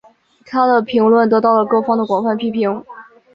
她的评论得到了各方的广泛批评。